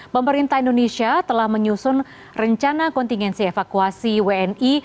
pemerintah indonesia telah menyusun rencana kontingensi evakuasi wni